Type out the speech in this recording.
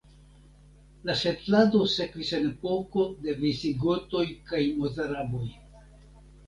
La setlado sekvis en epoko de visigotoj kaj mozaraboj.